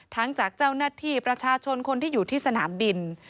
จากเจ้าหน้าที่ประชาชนคนที่อยู่ที่สนามบิน